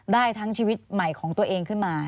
ได้ทั้งชีวิตใหม่ของตัวเองขึ้นมา